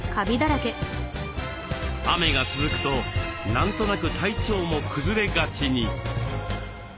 雨が続くと何となく体調も崩れがちに。